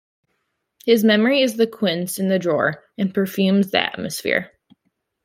His memory is the quince in the drawer and perfumes the atmosphere.